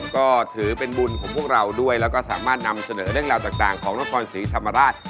ก็ถือเป็นบุญของพวกเราด้วยแล้วก็สามารถนำเสนอเรื่องราวต่างของนครศรีธรรมราช